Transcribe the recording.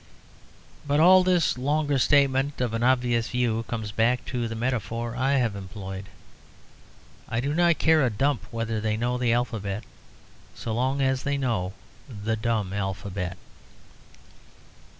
But all this longer statement of an obvious view comes back to the metaphor I have employed. I do not care a dump whether they know the alphabet, so long as they know the dumb alphabet.